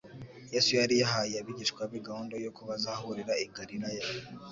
Yesu yari yahaye abigishwa be gahunda yuko bazahurira i Galilaya;